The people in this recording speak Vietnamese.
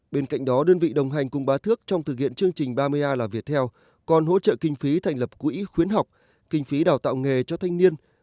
bên cạnh đó đơn vị đồng hành cùng bà thước trong thực hiện chương trình ba mươi a là viettel còn hỗ trợ kinh phí thành lập quỹ khuyến học kinh phí đào tạo nghề cho thanh niên